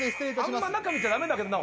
あんま中見ちゃ駄目だけどな。